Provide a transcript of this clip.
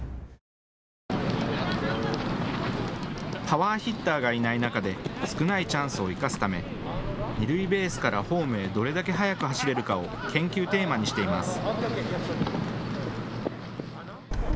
パワーヒッターがいない中で少ないチャンスを生かすため二塁ベースからホームへどれだけ速く走れるかを研究テーマにしています。